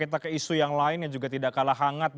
kita ke isu yang lainnya juga tidak kalah hangat